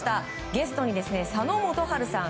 ゲストに佐野元春さん